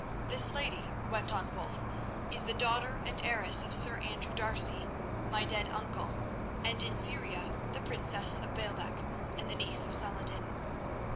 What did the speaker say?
"This lady," went on Wulf, "is the daughter and heiress of Sir Andrew D'Arcy, my dead uncle, and in Syria the princess of Baalbec and the niece of Saladin."